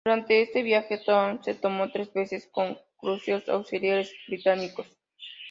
Durante este viaje, el "Thor" se topó tres veces con cruceros auxiliares británicos.